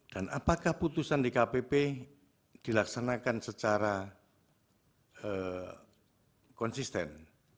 apakah putusan dkpp dilaksanakan secara konsisten